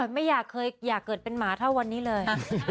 ไม่อยากเกิดเป็นหมาเท่าวันนี้เลย